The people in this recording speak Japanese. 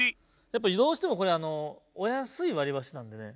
やっぱりどうしてもこれあのおやすいわりばしなんでね